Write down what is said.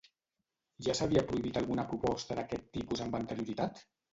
Ja s'havia prohibit alguna proposta d'aquest tipus amb anterioritat?